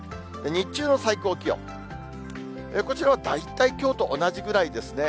日中の最高気温、こちらは大体、きょうと同じぐらいですね。